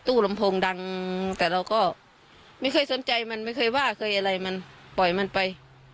ลำโพงดังแต่เราก็ไม่เคยสนใจมันไม่เคยว่าเคยอะไรมันปล่อยมันไป